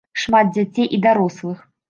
Шмат дзяцей і дарослых.